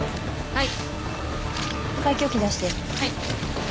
はい。